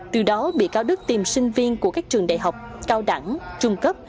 từ đó bị cáo đức tìm sinh viên của các trường đại học cao đẳng trung cấp